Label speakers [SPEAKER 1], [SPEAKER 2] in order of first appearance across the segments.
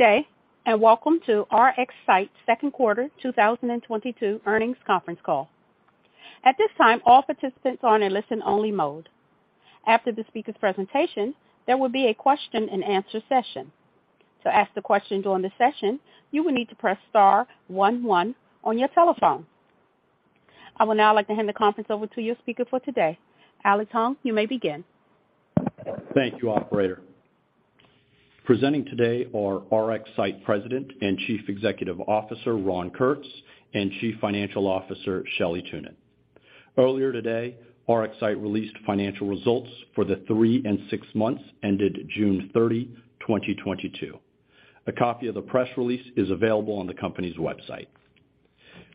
[SPEAKER 1] Good day, and welcome to RxSight Q2 2022 earnings conference call. At this time, all participants are in listen only mode. After the speaker's presentation, there will be a question and answer session. To ask the question during the session, you will need to press star one one on your telephone. I would now like to hand the conference over to your speaker for today. Alex Huang, you may begin.
[SPEAKER 2] Thank you. Operator. Presenting today are RxSight President and Chief Executive Officer, Ron Kurtz, and Chief Financial Officer, Shelley Thunen. Earlier today, RxSight released financial results for the three and six months ended June 30, 2022. A copy of the press release is available on the company's website.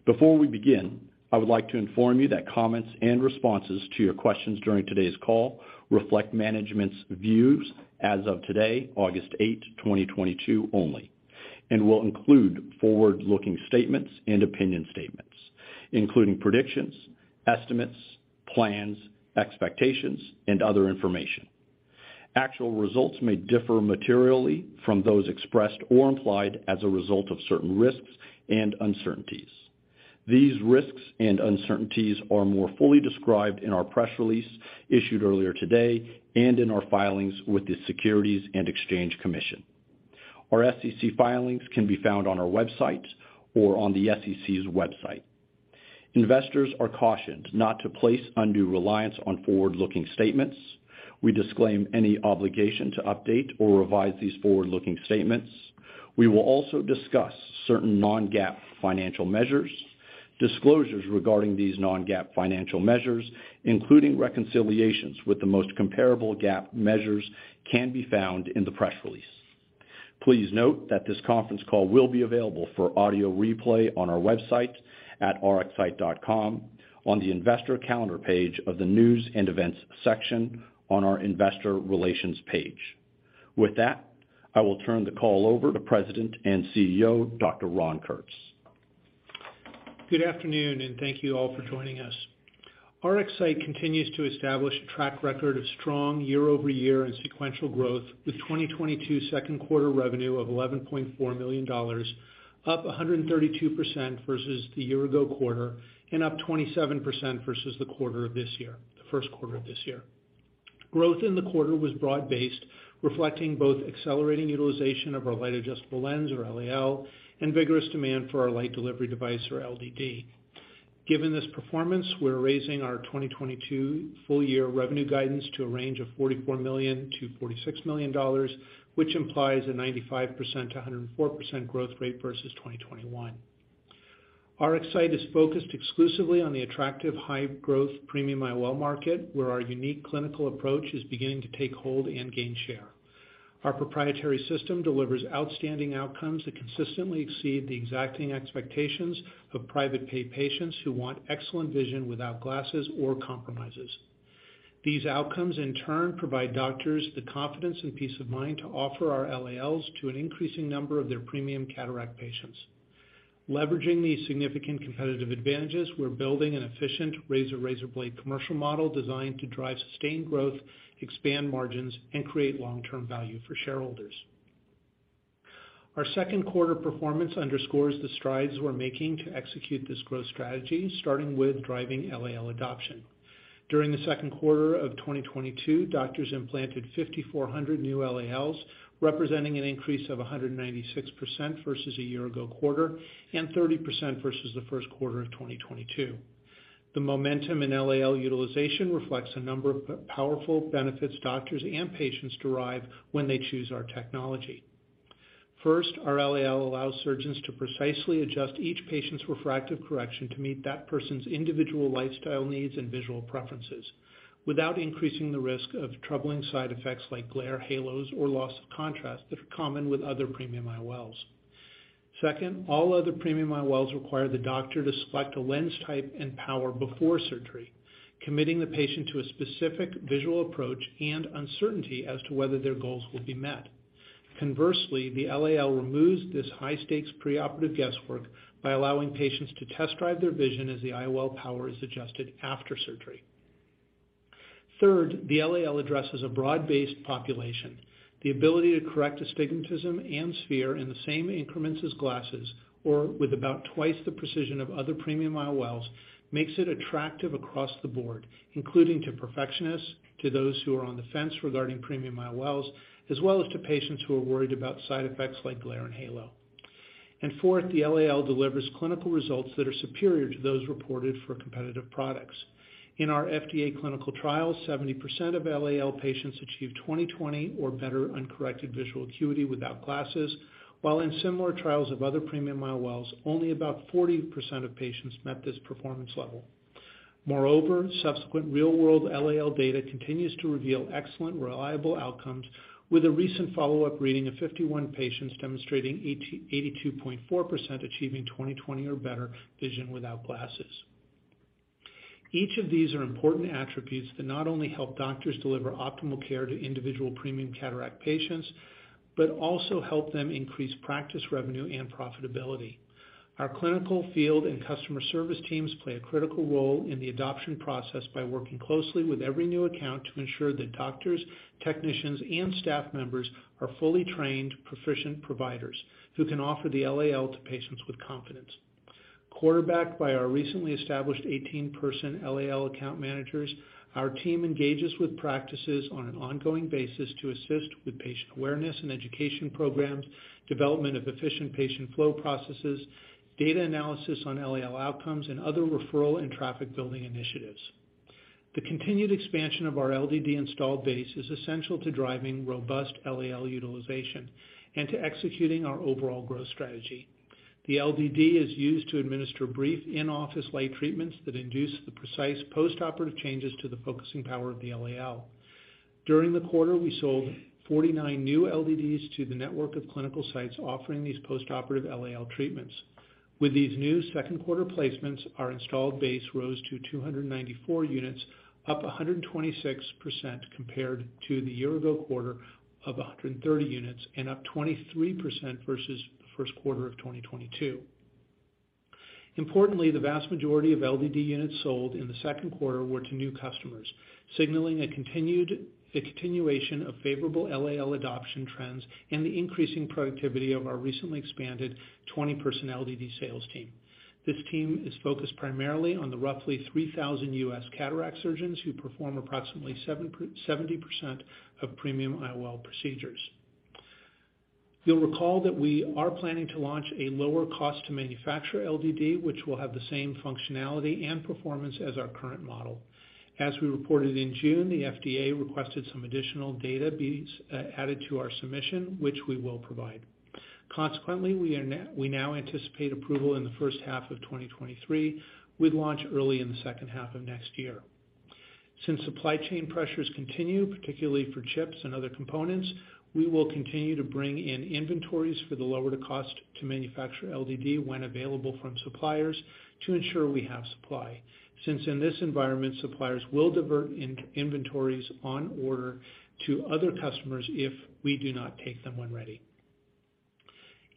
[SPEAKER 2] Before we begin, I would like to inform you that comments and responses to your questions during today's call reflect management's views as of today, August 8, 2022 only, and will include forward-looking statements and opinion statements, including predictions, estimates, plans, expectations, and other information. Actual results may differ materially from those expressed or implied as a result of certain risks and uncertainties. These risks and uncertainties are more fully described in our press release issued earlier today and in our filings with the Securities and Exchange Commission. Our SEC filings can be found on our website or on the SEC's website. Investors are cautioned not to place undue reliance on forward-looking statements. We disclaim any obligation to update or revise these forward-looking statements. We will also discuss certain non-GAAP financial measures. Disclosures regarding these non-GAAP financial measures, including reconciliations with the most comparable GAAP measures, can be found in the press release. Please note that this conference call will be available for audio replay on our website at rxsight.com on the investor calendar page of the News and Events section on our investor relations page. With that, I will turn the call over to President and CEO, Dr. Ron Kurtz.
[SPEAKER 3] Good afternoon, and thank you all for joining us. RxSight continues to establish a track record of strong year-over-year and sequential growth with 2022 Q2 revenue of $11.4 million, up 132% versus the year ago quarter and up 27% versus the Q1 of this year. Growth in the quarter was broad-based, reflecting both accelerating utilization of our Light Adjustable Lens or LAL and vigorous demand for our Light Delivery Device, or LDD. Given this performance, we're raising our 2022 full year revenue guidance to a range of $44-46 million, which implies a 95%-104% growth rate versus 2021. RxSight is focused exclusively on the attractive high growth premium IOL market, where our unique clinical approach is beginning to take hold and gain share. Our proprietary system delivers outstanding outcomes that consistently exceed the exacting expectations of private pay patients who want excellent vision without glasses or compromises. These outcomes, in turn, provide doctors the confidence and peace of mind to offer our LALs to an increasing number of their premium cataract patients. Leveraging these significant competitive advantages, we're building an efficient razor blade commercial model designed to drive sustained growth, expand margins, and create long term value for shareholders. Our Q2 performance underscores the strides we're making to execute this growth strategy, starting with driving LAL adoption. During the Q2 of 2022, doctors implanted 5,400 new LALs, representing an increase of 196% versus a year-ago quarter and 30% versus the Q1 of 2022. The momentum in LAL utilization reflects a number of powerful benefits doctors and patients derive when they choose our technology. First, our LAL allows surgeons to precisely adjust each patient's refractive correction to meet that person's individual lifestyle needs and visual preferences without increasing the risk of troubling side effects like glare halos or loss of contrast that are common with other premium IOLs. Second, all other premium IOLs require the doctor to select a lens type and power before surgery, committing the patient to a specific visual approach and uncertainty as to whether their goals will be met. Conversely, the LAL removes this high stakes preoperative guesswork by allowing patients to test drive their vision as the IOL power is adjusted after surgery. Third, the LAL addresses a broad based population. The ability to correct astigmatism and sphere in the same increments as glasses, or with about twice the precision of other premium IOLs, makes it attractive across the board, including to perfectionists, to those who are on the fence regarding premium IOLs, as well as to patients who are worried about side effects like glare and halo. Fourth, the LAL delivers clinical results that are superior to those reported for competitive products. In our FDA clinical trials, 70% of LAL patients achieve 20/20 or better uncorrected visual acuity without glasses, while in similar trials of other premium IOLs, only about 40% of patients met this performance level. Moreover, subsequent real world LAL data continues to reveal excellent, reliable outcomes, with a recent follow up reading of 51 patients demonstrating 82.4% achieving 20/20 or better vision without glasses. Each of these are important attributes that not only help doctors deliver optimal care to individual premium cataract patients, but also help them increase practice revenue and profitability. Our clinical, field, and customer service teams play a critical role in the adoption process by working closely with every new account to ensure that doctors, technicians, and staff members are fully trained, proficient providers who can offer the LAL to patients with confidence. Quarterbacked by our recently established 18-person LAL account managers, our team engages with practices on an ongoing basis to assist with patient awareness and education programs, development of efficient patient flow processes, data analysis on LAL outcomes, and other referral and traffic building initiatives. The continued expansion of our LDD install base is essential to driving robust LAL utilization and to executing our overall growth strategy. The LDD is used to administer brief in-office light treatments that induce the precise postoperative changes to the focusing power of the LAL. During the quarter, we sold 49 new LDDs to the network of clinical sites offering these postoperative LAL treatments. With these new Q2 placements, our installed base rose to 294 units, up 126% compared to the year ago quarter of 130 units and up 23% versus the Q1 of 2022. Importantly, the vast majority of LDD units sold in the Q2 were to new customers, signaling a continuation of favorable LAL adoption trends and the increasing productivity of our recently expanded 20-person LDD sales team. This team is focused primarily on the roughly 3,000 US cataract surgeons who perform approximately 70% of premium IOL procedures. You'll recall that we are planning to launch a lower cost to manufacture LDD, which will have the same functionality and performance as our current model. As we reported in June, the FDA requested some additional data be added to our submission, which we will provide. Consequently, we now anticipate approval in the H1 of 2023. We'd launch early in the H2 of next year. Since supply chain pressures continue, particularly for chips and other components, we will continue to bring in inventories to lower the cost to manufacture LDD when available from suppliers to ensure we have supply, since in this environment, suppliers will divert inventories on order to other customers if we do not take them when ready.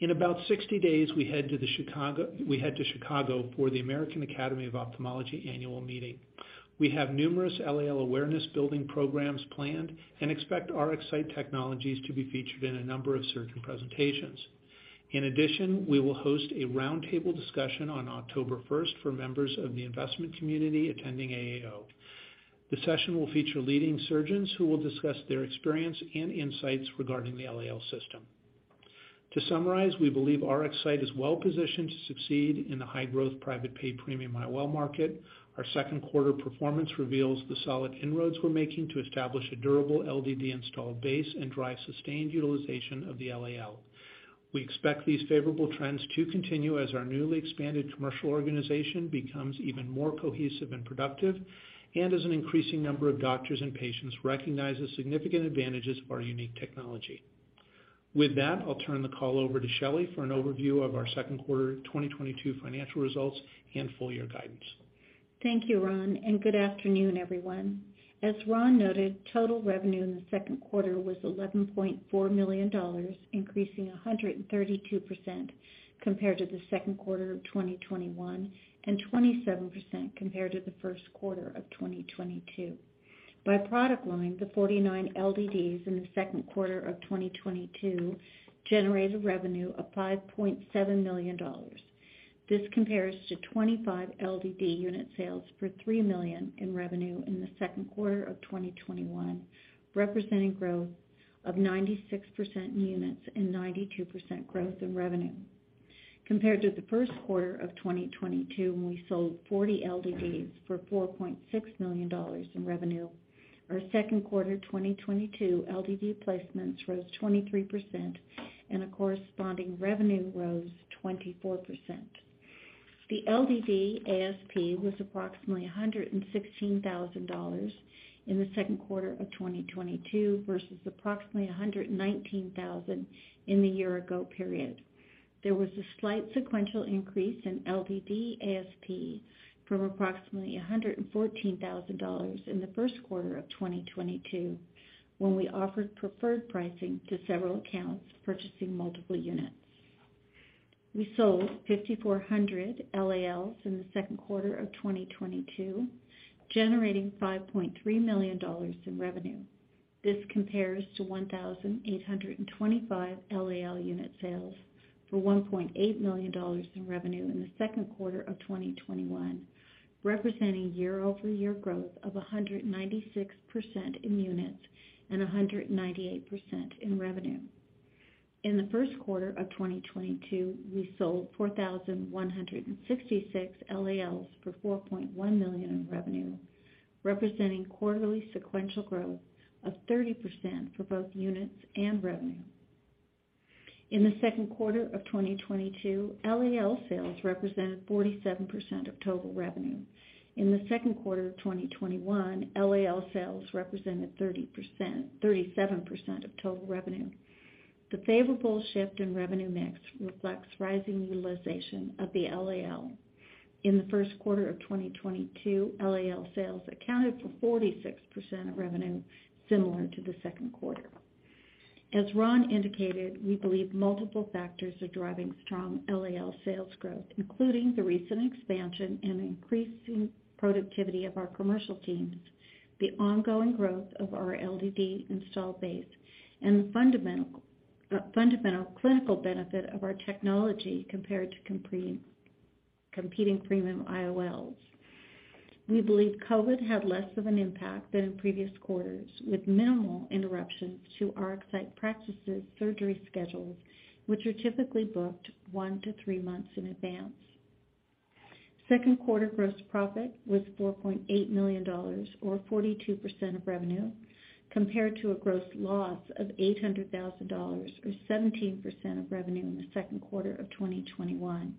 [SPEAKER 3] In about 60 days, we head to Chicago for the American Academy of Ophthalmology annual meeting. We have numerous LAL awareness building programs planned and expect RxSight to be featured in a number of surgeon presentations. In addition, we will host a roundtable discussion on October first for members of the investment community attending AAO. The session will feature leading surgeons who will discuss their experience and insights regarding the LAL system. To summarize, we believe RxSight is well positioned to succeed in the high-growth private pay premium IOL market. Our Q2 performance reveals the solid inroads we're making to establish a durable LDD installed base and drive sustained utilization of the LAL. We expect these favorable trends to continue as our newly expanded commercial organization becomes even more cohesive and productive, and as an increasing number of doctors and patients recognize the significant advantages of our unique technology. With that, I'll turn the call over to Shelley for an overview of our Q2 2022 financial results and full year guidance.
[SPEAKER 4] Thank you, Ron, and good afternoon, everyone. As Ron noted, total revenue in the Q2 was $11.4 million, increasing 132% compared to the Q2 of 2021 and 27% compared to the Q1 of 2022. By product line, the 49 LDDs in the Q2 of 2022 generated revenue of $5.7 million. This compares to 25 LDD unit sales for $3 million in revenue in the Q2 of 2021, representing growth of 96% in units and 92% growth in revenue. Compared to the Q1 of 2022, when we sold 40 LDDs for $4.6 million in revenue, our Q2 2022 LDD placements rose 23% and the corresponding revenue rose 24%. The LDD ASP was approximately $116,000 in the Q2 of 2022 versus approximately $119,000 in the year-ago period. There was a slight sequential increase in LDD ASP from approximately $114,000 in the Q1 of 2022, when we offered preferred pricing to several accounts purchasing multiple units. We sold 5,400 LALs in the Q2 of 2022, generating $5.3 million in revenue. This compares to 1,825 LAL unit sales for $1.8 million in revenue in the Q2 of 2021, representing year-over-year growth of 196% in units and 198% in revenue. In the Q1 of 2022, we sold 4,166 LALs for $4.1 million in revenue, representing quarterly sequential growth of 30% for both units and revenue. In the Q2 of 2022, LAL sales represented 47% of total revenue. In the Q2 of 2021, LAL sales represented 37% of total revenue. The favorable shift in revenue mix reflects rising utilization of the LAL. In the Q1 of 2022, LAL sales accounted for 46% of revenue, similar to the Q2. As Ron indicated, we believe multiple factors are driving strong LAL sales growth, including the recent expansion and increasing productivity of our commercial teams, the ongoing growth of our LDD install base, and the fundamental clinical benefit of our technology compared to competing premium IOLs. We believe COVID had less of an impact than in previous quarters, with minimal interruptions to our site practices surgery schedules, which are typically booked 1-3 months in advance. Q2 gross profit was $4.8 million or 42% of revenue, compared to a gross loss of $800,000 or 17% of revenue in the Q2 of 2021.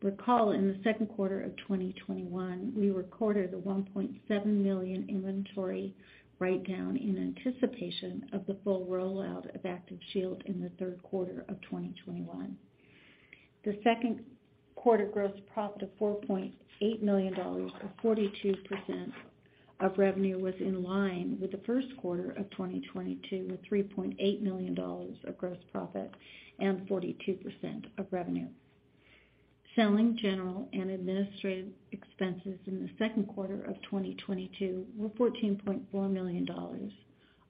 [SPEAKER 4] Recall, in the Q2 of 2021, we recorded a $1.7 million inventory write-down in anticipation of the full rollout of ActivShield in the Q3 of 2021. The Q2 gross profit of $4.8 million or 42% of revenue was in line with the Q1 of 2022, with $3.8 million of gross profit and 42% of revenue. Selling, general, and administrative expenses in the Q2 of 2022 were $14.4 million,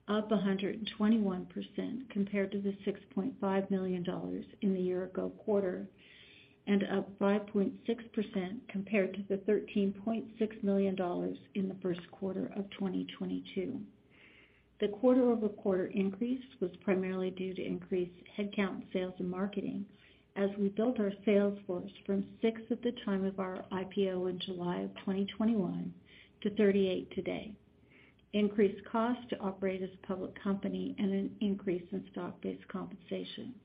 [SPEAKER 4] up 121% compared to the $6.5 million in the year ago quarter, and up 5.6% compared to the $13.6 million in the Q1 of 2022. The quarter-over-quarter increase was primarily due to increased headcount, sales and marketing as we built our sales force from six at the time of our IPO in July of 2021 to 38 today, increased cost to operate as a public company, and an increase in stock-based compensation.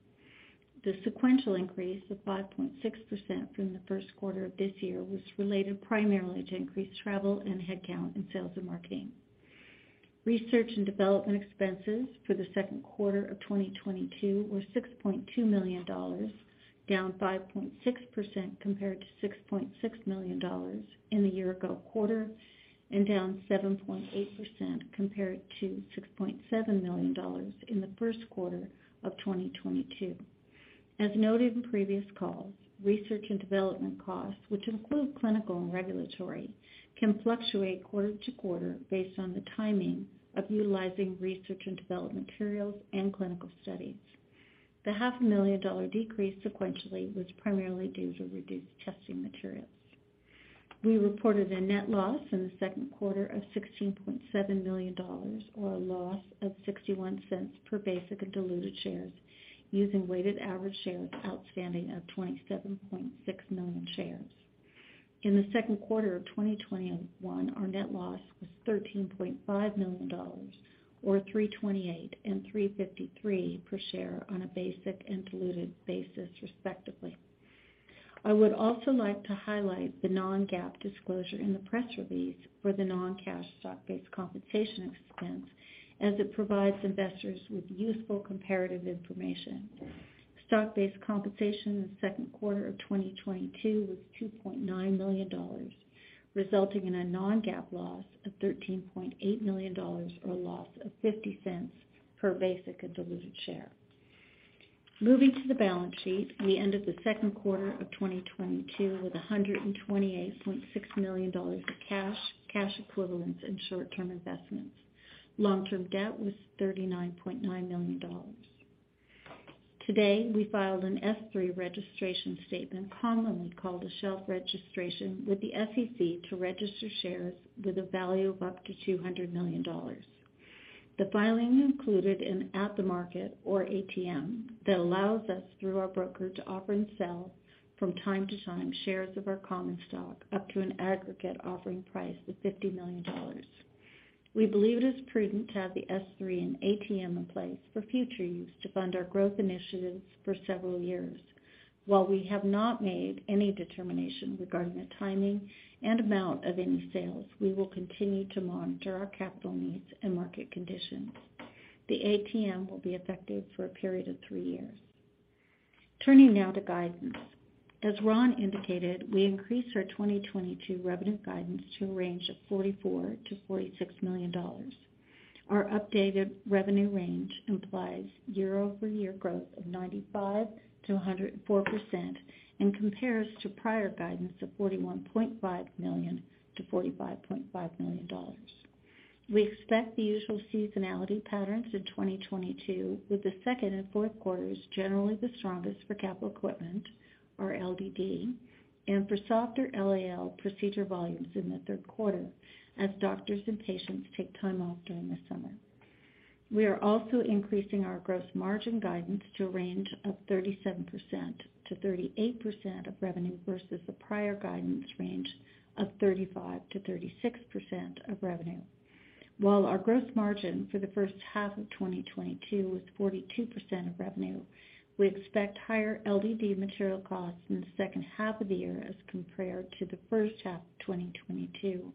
[SPEAKER 4] The sequential increase of 5.6% from the Q1 of this year was related primarily to increased travel and headcount in sales and marketing. Research and development expenses for the Q2 of 2022 were $6.2 million, down 5.6% compared to $6.6 million in the year-ago quarter, and down 7.8% compared to $6.7 million in the Q1 of 2022. As noted in previous calls, research and development costs, which include clinical and regulatory, can fluctuate quarter to quarter based on the timing of utilizing research and development materials and clinical studies. The half a million dollar decrease sequentially was primarily due to reduced testing materials. We reported a net loss in the Q2 of $16.7 million, or a loss of $0.61 per basic and diluted shares using weighted average shares outstanding of 27.6 million shares. In the Q2 of 2021, our net loss was $13.5 million or $0.328 and $0.353 per share on a basic and diluted basis, respectively. I would also like to highlight the non-GAAP disclosure in the press release for the non-cash stock-based compensation expense as it provides investors with useful comparative information. Stock-based compensation in the Q2 of 2022 was $2.9 million, resulting in a non-GAAP loss of $13.8 million, or a loss of $0.50 per basic and diluted share. Moving to the balance sheet, we ended the Q2 of 2022 with $128.6 million of cash equivalents and short-term investments. Long-term debt was $39.9 million. Today, we filed an S-3 registration statement, commonly called a shelf registration with the SEC to register shares with a value of up to $200 million. The filing included an at the market or ATM that allows us, through our broker, to offer and sell from time to time shares of our common stock up to an aggregate offering price of $50 million. We believe it is prudent to have the S-3 and ATM in place for future use to fund our growth initiatives for several years. While we have not made any determination regarding the timing and amount of any sales, we will continue to monitor our capital needs and market conditions. The ATM will be effective for a period of three years. Turning now to guidance. As Ron indicated, we increased our 2022 revenue guidance to a range of $44-46 million. Our updated revenue range implies year-over-year growth of 95%-104% and compares to prior guidance of $41.5-45.5 million. We expect the usual seasonality patterns in 2022, with the second and Q4s generally the strongest for capital equipment or LDD and for softer LAL procedure volumes in the Q3 as doctors and patients take time off during the summer. We are also increasing our gross margin guidance to a range of 37%-38% of revenue versus the prior guidance range of 35%-36% of revenue. While our gross margin for the H1 of 2022 was 42% of revenue, we expect higher LDD material costs in the H2 of the year as compared to the H1 of 2022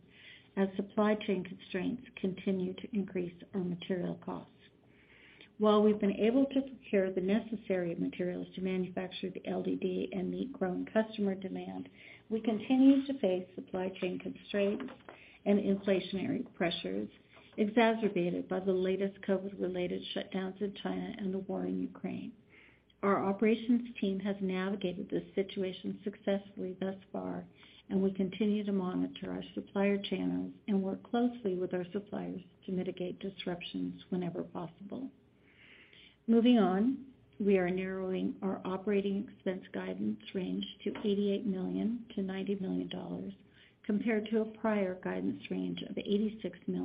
[SPEAKER 4] as supply chain constraints continue to increase our material costs. While we've been able to procure the necessary materials to manufacture the LDD and meet growing customer demand, we continue to face supply chain constraints and inflationary pressures exacerbated by the latest COVID-related shutdowns in China and the war in Ukraine. Our operations team has navigated this situation successfully thus far, and we continue to monitor our supplier channels and work closely with our suppliers to mitigate disruptions whenever possible. Moving on. We are narrowing our operating expense guidance range to $88-90 million compared to a prior guidance range of $86-90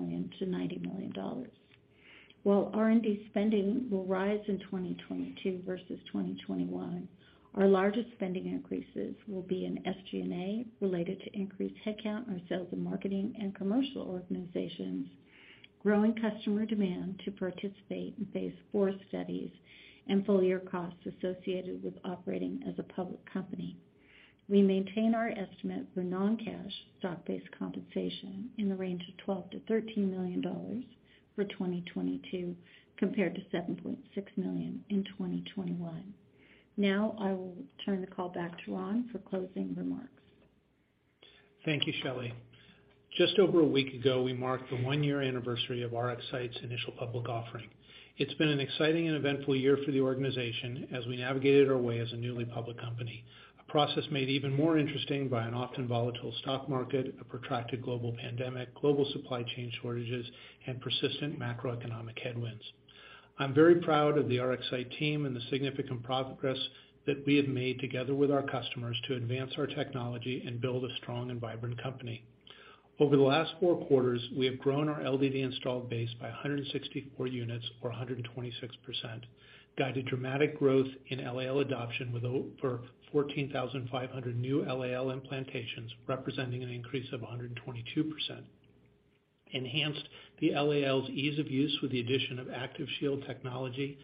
[SPEAKER 4] million. While R&D spending will rise in 2022 versus 2021, our largest spending increases will be in SG&A related to increased headcount in our sales and marketing and commercial organizations, growing customer demand to participate in Phase IV studies, and full year costs associated with operating as a public company. We maintain our estimate for non-cash stock-based compensation in the range of $12-13 million for 2022 compared to $7.6 million in 2021. Now I will turn the call back to Ron for closing remarks.
[SPEAKER 3] Thank you, Shelley. Just over a week ago, we marked the one-year anniversary of RxSight's initial public offering. It's been an exciting and eventful year for the organization as we navigated our way as a newly public company, a process made even more interesting by an often volatile stock market, a protracted global pandemic, global supply chain shortages, and persistent macroeconomic headwinds. I'm very proud of the RxSight team and the significant progress that we have made together with our customers to advance our technology and build a strong and vibrant company. Over the last four quarters, we have grown our LDD installed base by 164 units or 126%. We guided dramatic growth in LAL adoption with over 14,500 new LAL implantations, representing an increase of 122%. Enhanced the LAL's ease of use with the addition of ActivShield technology.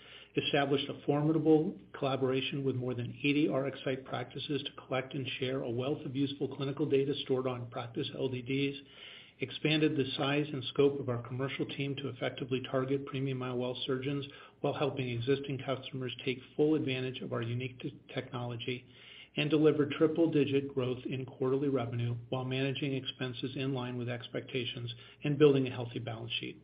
[SPEAKER 3] Established a formidable collaboration with more than 80 RxSight practices to collect and share a wealth of useful clinical data stored on practice LDDs. Expanded the size and scope of our commercial team to effectively target premium IOL surgeons while helping existing customers take full advantage of our unique technology and deliver triple-digit growth in quarterly revenue while managing expenses in line with expectations and building a healthy balance sheet.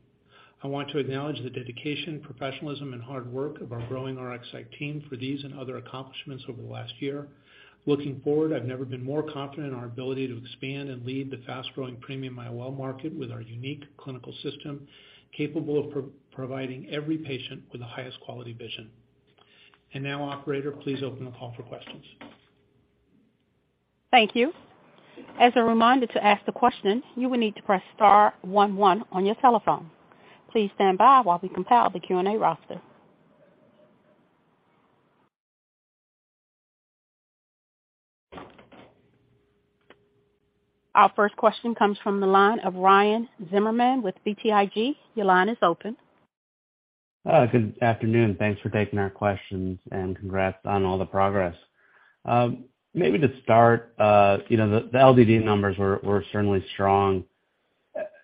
[SPEAKER 3] I want to acknowledge the dedication, professionalism, and hard work of our growing RxSight team for these and other accomplishments over the last year. Looking forward, I've never been more confident in our ability to expand and lead the fast-growing premium IOL market with our unique clinical system, capable of providing every patient with the highest quality vision. Now, operator, please open the call for questions.
[SPEAKER 1] Thank you. As a reminder, to ask the questions, you will need to press star one one on your telephone. Please stand by while we compile the Q&A roster. Our first question comes from the line of Ryan Zimmerman with BTIG. Your line is open.
[SPEAKER 5] Good afternoon. Thanks for taking our questions, and congrats on all the progress. Maybe to start, you know, the LDD numbers were certainly strong.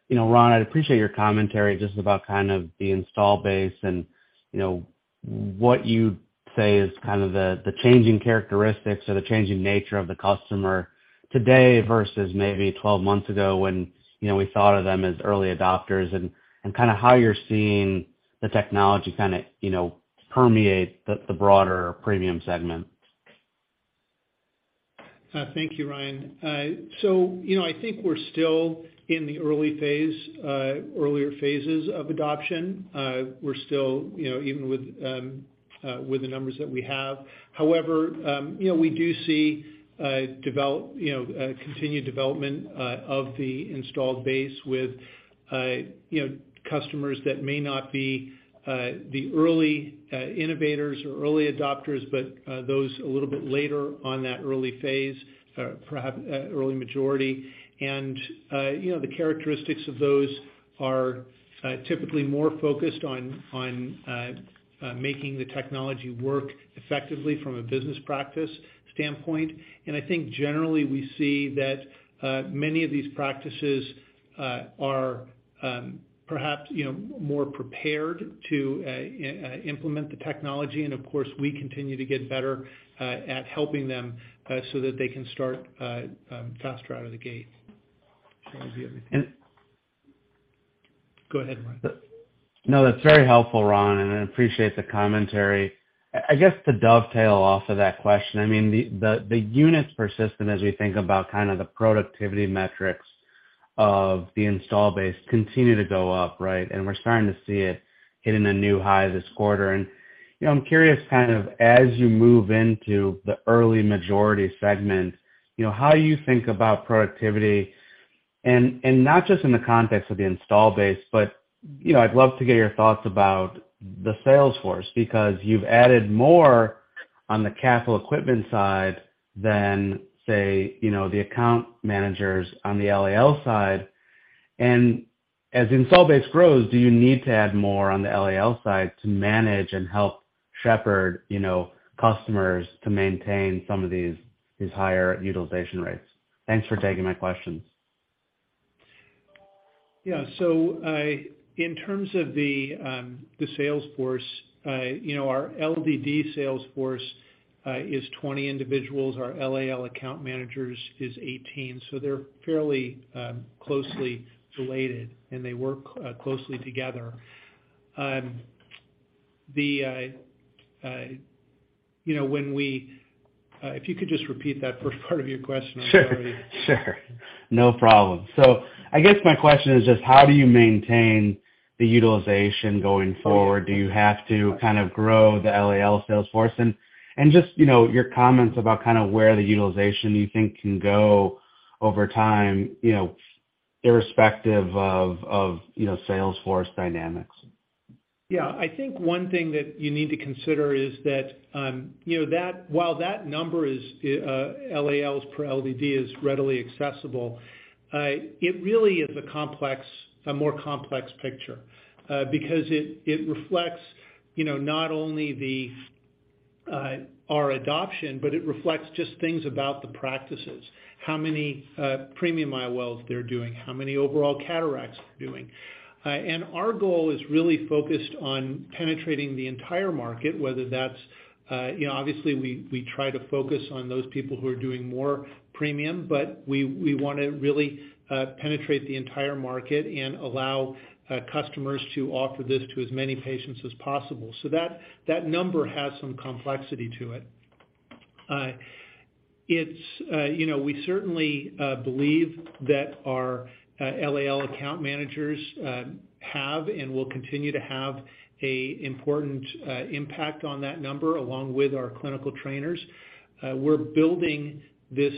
[SPEAKER 5] You know, Ron, I'd appreciate your commentary just about kind of the install base and, you know, what you'd say is kind of the changing characteristics or the changing nature of the customer today versus maybe 12 months ago when, you know, we thought of them as early adopters and kinda how you're seeing the technology kinda, you know, permeate the broader premium segment.
[SPEAKER 3] Thank you, Ryan. You know, I think we're still in the early phase, earlier phases of adoption. We're still, you know, even with the numbers that we have. However, you know, we do see continued development of the installed base with, you know, customers that may not be the early innovators or early adopters, but those a little bit later on that early phase, perhaps early majority. You know, the characteristics of those are typically more focused on making the technology work effectively from a business practice standpoint. I think generally we see that many of these practices are, perhaps, you know, more prepared to implement the technology. Of course, we continue to get better at helping them so that they can start faster out of the gate. Shelley, do you have anything?
[SPEAKER 5] And-
[SPEAKER 3] Go ahead, Ryan.
[SPEAKER 5] No, that's very helpful, Ron, and I appreciate the commentary. I guess to dovetail off of that question, I mean, the units per site as we think about kind of the productivity metrics of the installed base continue to go up, right? We're starting to see it hitting a new high this quarter. You know, I'm curious kind of as you move into the early majority segment, you know, how you think about productivity, and not just in the context of the installed base, but, you know, I'd love to get your thoughts about the sales force. Because you've added more on the capital equipment side than, say, you know, the account managers on the LAL side. As install base grows, do you need to add more on the LAL side to manage and help shepherd, you know, customers to maintain some of these higher utilization rates? Thanks for taking my questions.
[SPEAKER 3] Yeah. In terms of the sales force, you know, our LDD sales force is 20 individuals. Our LAL account managers is 18. They're fairly closely related, and they work closely together. You know, if you could just repeat that first part of your question, I'm sorry.
[SPEAKER 5] Sure. No problem. I guess my question is just how do you maintain the utilization going forward? Do you have to kind of grow the LAL sales force? And just, you know, your comments about kind of where the utilization you think can go over time, you know, irrespective of, you know, sales force dynamics.
[SPEAKER 3] Yeah. I think one thing that you need to consider is that, you know, that while that number is, LALs per LDD is readily accessible, it really is a more complex picture, because it reflects, you know, not only our adoption, but it reflects just things about the practices. How many premium IOLs they're doing, how many overall cataracts they're doing. Our goal is really focused on penetrating the entire market, whether that's, you know, obviously, we try to focus on those people who are doing more premium, but we wanna really penetrate the entire market and allow customers to offer this to as many patients as possible. So that number has some complexity to it. You know, we certainly believe that our LAL account managers have and will continue to have an important impact on that number along with our clinical trainers. We're building this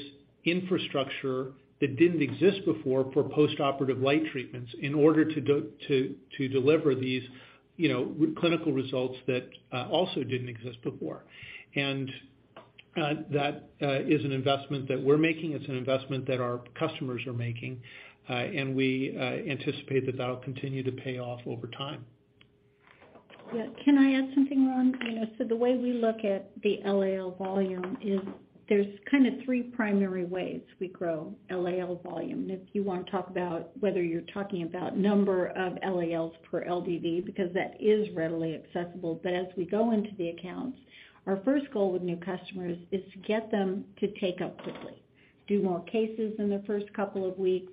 [SPEAKER 3] infrastructure that didn't exist before for postoperative light treatments in order to deliver these, you know, clinical results that also didn't exist before. That is an investment that we're making. It's an investment that our customers are making, and we anticipate that that'll continue to pay off over time.
[SPEAKER 4] Yeah. Can I add something, Ron? You know, so the way we look at the LAL volume is there's kind of three primary ways we grow LAL volume. If you wanna talk about whether you're talking about number of LALs per LDD, because that is readily accessible. As we go into the accounts, our first goal with new customers is to get them to take up quickly, do more cases in the first couple of weeks,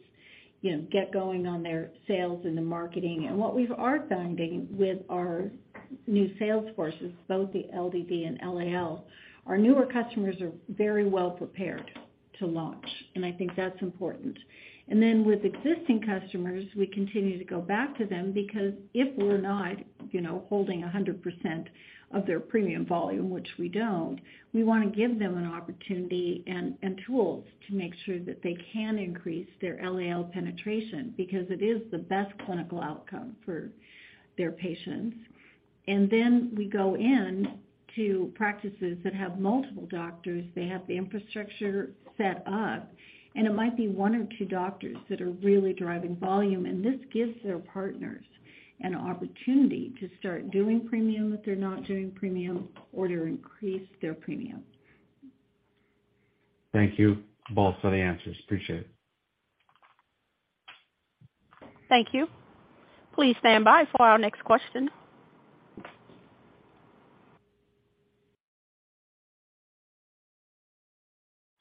[SPEAKER 4] you know, get going on their sales and the marketing. What we are finding with our new sales forces, both the LDD and LAL, our newer customers are very well prepared to launch, and I think that's important. With existing customers, we continue to go back to them because if we're not, you know, holding 100% of their premium volume, which we don't, we wanna give them an opportunity and tools to make sure that they can increase their LAL penetration because it is the best clinical outcome for their patients. We go into practices that have multiple doctors. They have the infrastructure set up, and it might be one or two doctors that are really driving volume, and this gives their partners an opportunity to start doing premium if they're not doing premium or to increase their premium.
[SPEAKER 5] Thank you both for the answers. Appreciate it.
[SPEAKER 1] Thank you. Please stand by for our next question.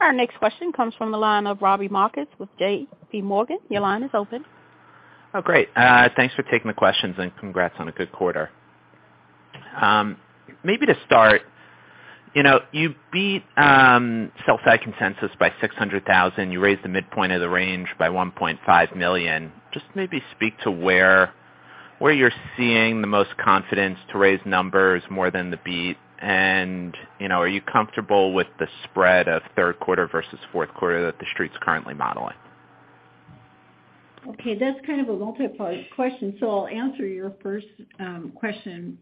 [SPEAKER 1] Our next question comes from the line of Robbie Marcus with JPMorgan. Your line is open.
[SPEAKER 6] Oh, great. Thanks for taking the questions, and congrats on a good quarter. Maybe to start, you know, you beat sell-side consensus by $600,000. You raised the midpoint of the range by $1.5 million. Just maybe speak to where you're seeing the most confidence to raise numbers more than the beat. You know, are you comfortable with the spread of Q3 versus Q4 that the Street's currently modeling?
[SPEAKER 4] Okay, that's kind of a multi-part question, so I'll answer your first question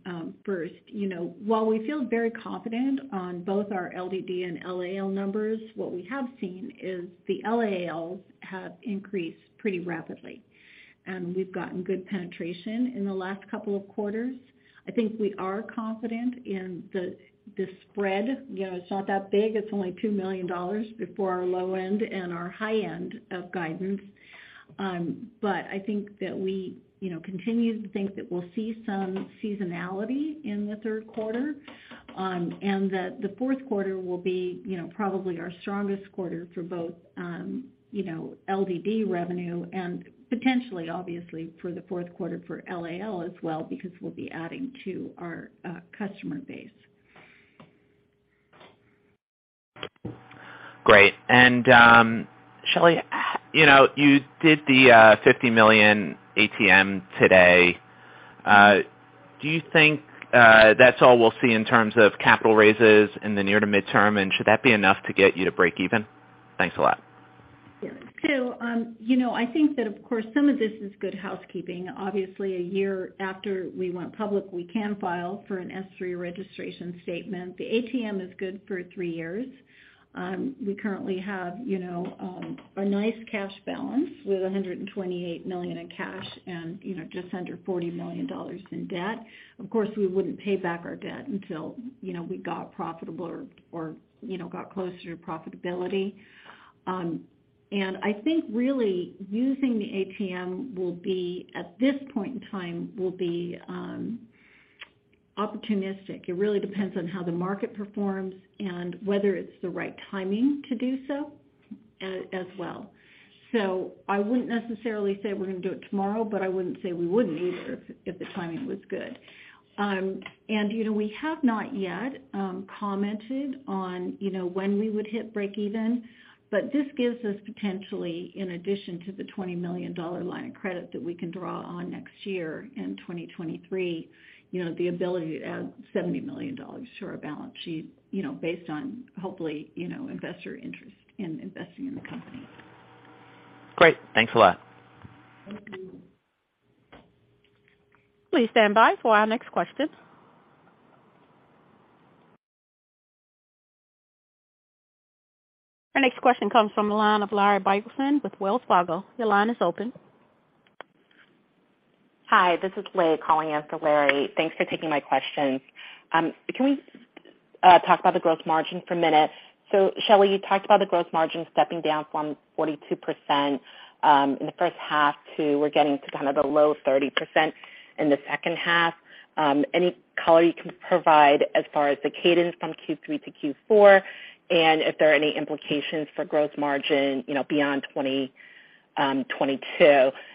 [SPEAKER 4] first. You know, while we feel very confident on both our LDD and LAL numbers, what we have seen is the LALs have increased pretty rapidly, and we've gotten good penetration in the last couple of quarters. I think we are confident in the spread. You know, it's not that big. It's only $2 million between our low end and our high end of guidance. But I think that we, you know, continue to think that we'll see some seasonality in the Q3, and that the Q4 will be, you know, probably our strongest quarter for both, you know, LDD revenue and potentially, obviously, for the Q4 for LAL as well because we'll be adding to our customer base.
[SPEAKER 6] Great. Shelley, you know, you did the $50 million ATM today. Do you think that's all we'll see in terms of capital raises in the near to midterm? Should that be enough to get you to break even? Thanks a lot.
[SPEAKER 4] You know, I think that, of course, some of this is good housekeeping. Obviously, 1 year after we went public, we can file for an S-3 registration statement. The ATM is good for 3 years. We currently have, you know, a nice cash balance with $128 million in cash and, you know, just under $40 million in debt. Of course, we wouldn't pay back our debt until, you know, we got profitable or, you know, got closer to profitability. And I think really using the ATM will be at this point in time opportunistic. It really depends on how the market performs and whether it's the right timing to do so as well. I wouldn't necessarily say we're gonna do it tomorrow, but I wouldn't say we wouldn't either if the timing was good. you know, we have not yet commented on, you know, when we would hit breakeven, but this gives us potentially in addition to the $20 million line of credit that we can draw on next year in 2023, you know, the ability to add $70 million to our balance sheet, you know, based on hopefully, you know, investor interest in investing in the company.
[SPEAKER 6] Great. Thanks a lot.
[SPEAKER 4] Thank you.
[SPEAKER 1] Please stand by for our next question. Our next question comes from the line of Larry Biegelsen with Wells Fargo. Your line is open.
[SPEAKER 7] Hi, this is Leigh calling in for Larry Biegelsen. Thanks for taking my questions. Can we talk about the gross margin for a minute? Shelley Thunen, you talked about the gross margin stepping down from 42% in the H1 to we're getting to kind of the low 30% in the H2. Any color you can provide as far as the cadence from Q3 to Q4, and if there are any implications for gross margin, you know, beyond 2022.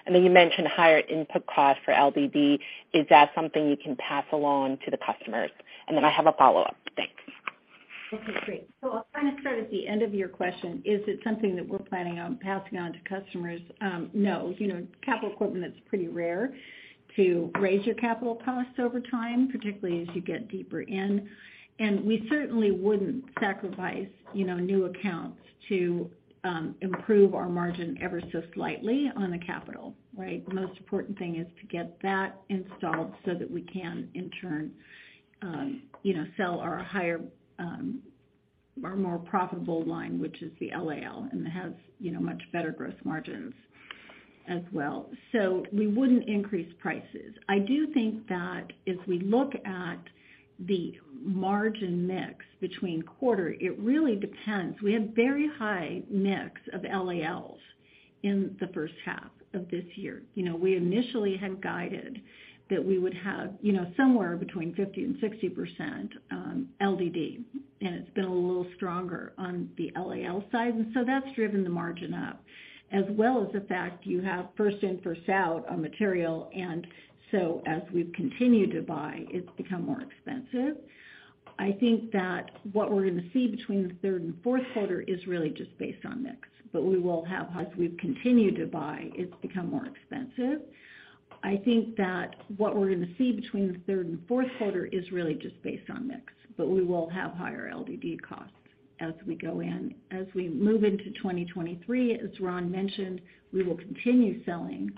[SPEAKER 7] I know you mentioned higher input costs for LDD. Is that something you can pass along to the customers? I have a follow-up. Thanks.
[SPEAKER 4] Okay, great. I'll kind of start at the end of your question. Is it something that we're planning on passing on to customers? No. You know, capital equipment, it's pretty rare to raise your capital costs over time, particularly as you get deeper in. We certainly wouldn't sacrifice, you know, new accounts to improve our margin ever so slightly on the capital, right? The most important thing is to get that installed so that we can in turn, you know, sell our more profitable line, which is the LAL, and that has, you know, much better gross margins as well. We wouldn't increase prices. I do think that if we look at the margin mix between quarters, it really depends. We had very high mix of LALs in the H1 of this year. You know, we initially had guided that we would have, you know, somewhere between 50%-60% LDD, and it's been a little stronger on the LAL side, and so that's driven the margin up. As well as the fact you have first in, first out on material, and so as we've continued to buy, it's become more expensive. I think that what we're gonna see between the third and Q4 is really just based on mix. But we will have higher LDD costs as we go in. As we move into 2023, as Ron mentioned, we will continue selling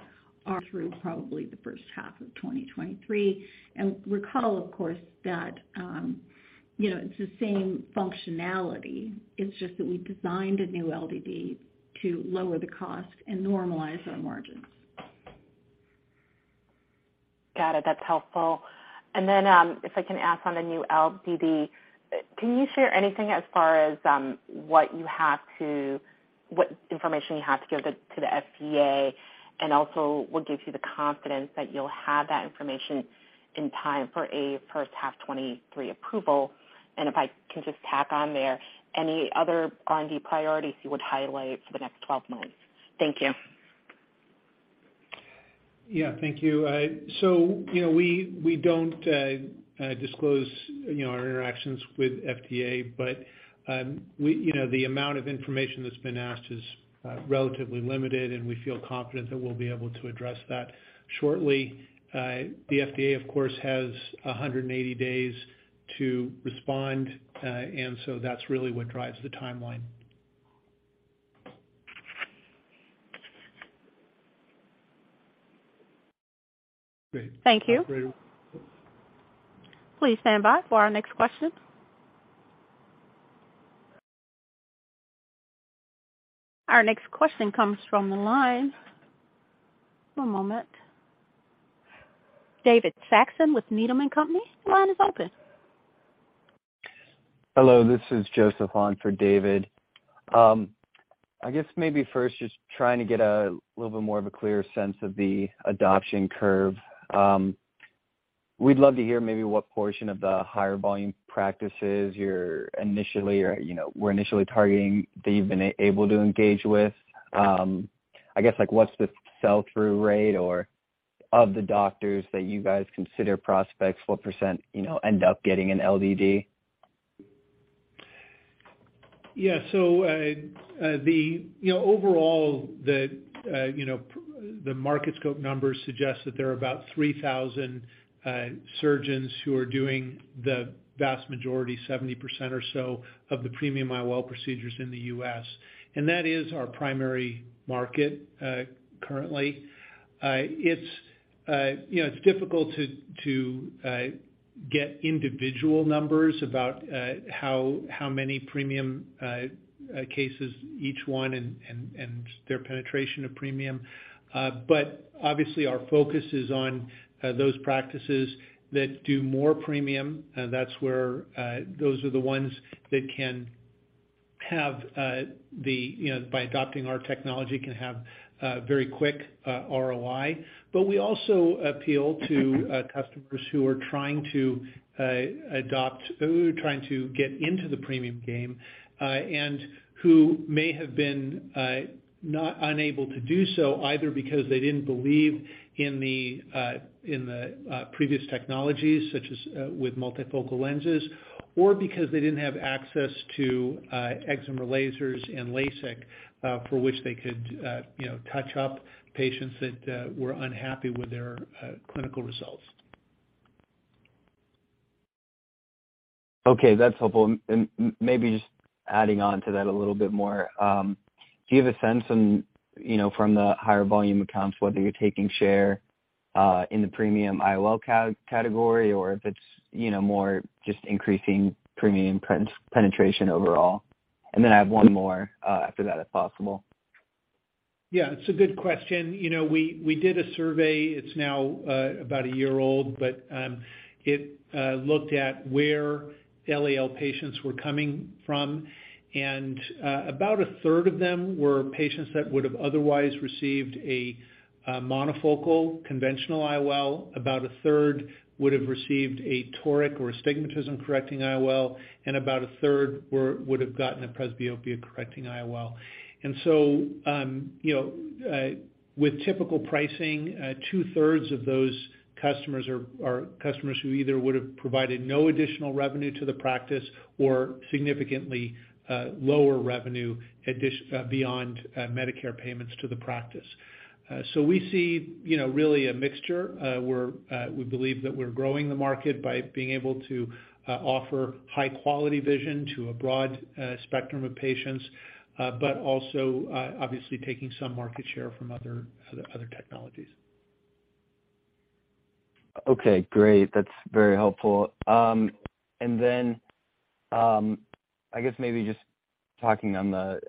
[SPEAKER 4] all through probably the H1 of 2023. Recall, of course, that you know, it's the same functionality. It's just that we designed a new LDD to lower the cost and normalize our margins.
[SPEAKER 7] Got it. That's helpful. If I can ask on the new LDD, can you share anything as far as what information you have to give to the FDA, and also what gives you the confidence that you'll have that information in time for a H1 2023 approval? If I can just tack on there, any other R&D priorities you would highlight for the next 12 months? Thank you.
[SPEAKER 3] Yeah, thank you. We don't disclose our interactions with FDA. The amount of information that's been asked is relatively limited, and we feel confident that we'll be able to address that shortly. The FDA, of course, has 180 days to respond, and so that's really what drives the timeline.
[SPEAKER 4] Great.
[SPEAKER 1] Thank you. Please stand by for our next question. Our next question comes from the line. One moment. David Saxon with Needham & Company, your line is open.
[SPEAKER 8] Hello, this is Joseph on for David Saxon. I guess maybe first just trying to get a little bit more of a clear sense of the adoption curve. We'd love to hear maybe what portion of the higher volume practices you're initially or, you know, were initially targeting that you've been able to engage with. I guess, like, what's the sell-through rate or of the doctors that you guys consider prospects, what percent, you know, end up getting an LDD?
[SPEAKER 3] Yeah. You know, overall, the Market Scope numbers suggest that there are about 3,000 surgeons who are doing the vast majority, 70% or so, of the premium IOL procedures in the U.S., and that is our primary market currently. You know, it's difficult to get individual numbers about how many premium cases each one and their penetration of premium. Obviously our focus is on those practices that do more premium, and that's where those are the ones that can have, you know, by adopting our technology, can have very quick ROI. We also appeal to customers who are trying to get into the premium game, and who may have been not unable to do so either because they didn't believe in the previous technologies, such as with multifocal lenses, or because they didn't have access to excimer lasers and LASIK for which they could, you know, touch up patients that were unhappy with their clinical results.
[SPEAKER 8] Okay, that's helpful. Maybe just adding on to that a little bit more. Do you have a sense on, you know, from the higher volume accounts, whether you're taking share in the premium IOL category or if it's, you know, more just increasing premium penetration overall? I have one more after that, if possible.
[SPEAKER 3] Yeah, it's a good question. You know, we did a survey. It's now about a year old, but it looked at where LAL patients were coming from. About a third of them were patients that would have otherwise received a monofocal conventional IOL. About a third would have received a toric or astigmatism correcting IOL, and about a third would have gotten a presbyopia correcting IOL. You know, with typical pricing, two-thirds of those customers are customers who either would have provided no additional revenue to the practice or significantly lower revenue beyond Medicare payments to the practice. We see, you know, really a mixture. We believe that we're growing the market by being able to offer high quality vision to a broad spectrum of patients, but also obviously taking some market share from other technologies.
[SPEAKER 8] Okay, great. That's very helpful. I guess maybe just talking on the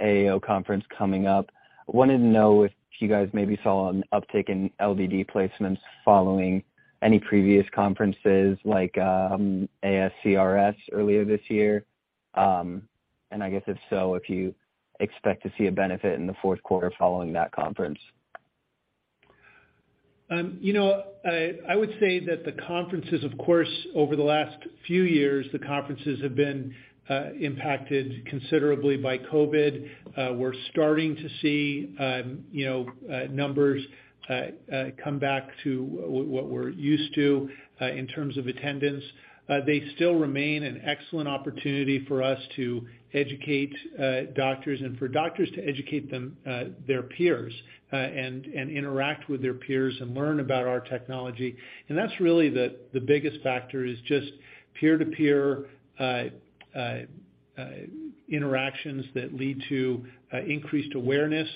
[SPEAKER 8] AAO conference coming up, I wanted to know if you guys maybe saw an uptick in LDD placements following any previous conferences like ASCRS earlier this year. I guess if so, if you expect to see a benefit in the Q4 following that conference.
[SPEAKER 3] You know, I would say that the conferences, of course, over the last few years, the conferences have been impacted considerably by COVID. We're starting to see you know numbers come back to what we're used to in terms of attendance. They still remain an excellent opportunity for us to educate doctors and for doctors to educate them their peers and interact with their peers and learn about our technology. That's really the biggest factor is just peer-to-peer interactions that lead to increased awareness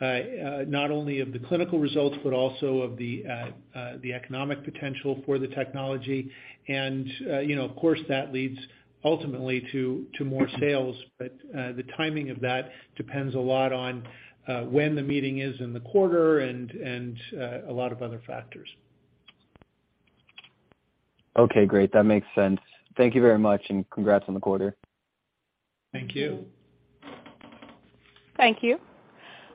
[SPEAKER 3] not only of the clinical results, but also of the economic potential for the technology. You know, of course, that leads ultimately to more sales. The timing of that depends a lot on when the meeting is in the quarter and a lot of other factors.
[SPEAKER 8] Okay, great. That makes sense. Thank you very much, and congrats on the quarter.
[SPEAKER 3] Thank you.
[SPEAKER 1] Thank you.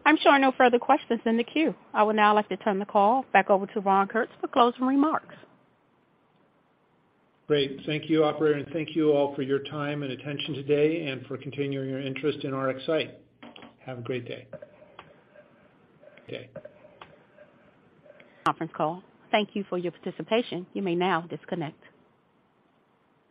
[SPEAKER 1] I'm showing no further questions in the queue. I would now like to turn the call back over to Ron Kurtz for closing remarks.
[SPEAKER 3] Great. Thank you, operator, and thank you all for your time and attention today and for continuing your interest in RxSight. Have a great day.
[SPEAKER 1] Conference call. Thank you for your participation. You may now disconnect.